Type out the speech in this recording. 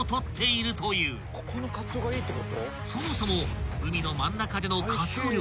［そもそも海の真ん中でのかつお漁］